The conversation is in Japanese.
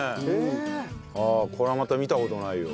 これまた見た事ないよ。